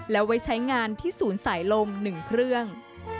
แล้วไว้ใช้งานที่ศูนย์สายลม๑เครื่อง